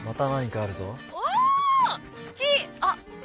あっ。